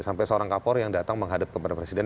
sampai seorang kapolri yang datang menghadap kepada presiden